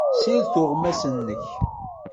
Ssired tuɣmas-nnek.